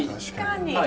確かに。